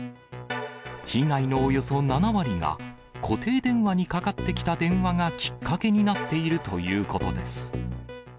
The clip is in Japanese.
被害のおよそ７割が、固定電話にかかってきた電話がきっかけになっているということです。